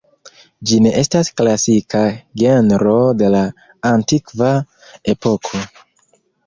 Ĝi ne estas klasika genro de la antikva epoko.